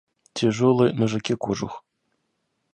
Тяжелый на жуке кожух.